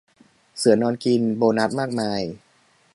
เสือนอนกิน โบนัสมากมาย